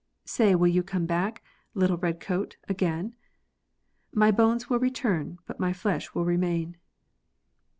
Say will you come back, little red coat, again ? My bones will return, but my flesh will remain.